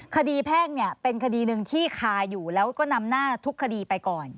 แพ่งเนี่ยเป็นคดีหนึ่งที่คาอยู่แล้วก็นำหน้าทุกคดีไปก่อน